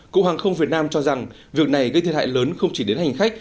cục hàng không việt nam cho rằng việc này gây thiệt hại lớn không chỉ đến hành khách